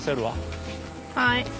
はい。